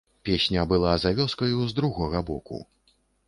Песня была за вёскаю, з другога боку.